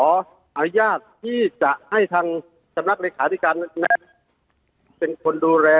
ขออนุญาตที่จะให้ทางสำนักเลขาธิการเป็นคนดูแล